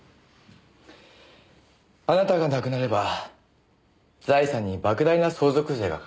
あなたが亡くなれば財産に莫大な相続税がかかる事になる。